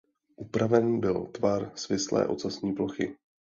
Upraven byl tvar svislé ocasní plochy.